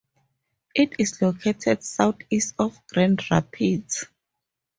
It is located southeast of Grand Rapids.